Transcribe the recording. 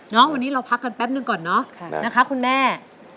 วันนี้เราพักกันแป๊บหนึ่งก่อนเนอะนะคะคุณแม่